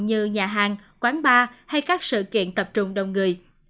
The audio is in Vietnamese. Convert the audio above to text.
như nhà hàng quán bar hay các sự kiện tập trung đông người